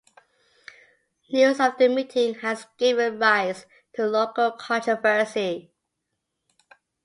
News of the meeting has given rise to local controversy.